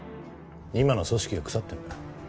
今の組織が腐ってるんだ。